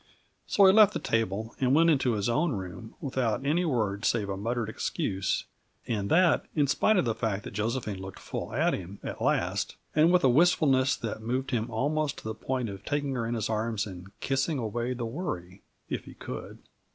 So he left the table, and went into his own room without any word save a muttered excuse; and that in spite of the fact that Josephine looked full at him, at last, and with a wistfulness that moved him almost to the point of taking her in his arms and kissing away the worry if he could.